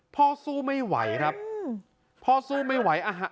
พ่อสู้ไม่ไหวพ่อสู้ไม่ไหว